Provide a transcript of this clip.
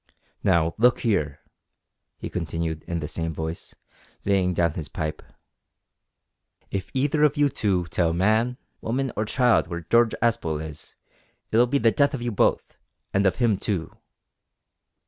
"Now, look here," he continued in the same voice, laying down his pipe, "if either of you two tell man, woman, or child w'ere George Aspel is, it'll be the death of you both, and of him too."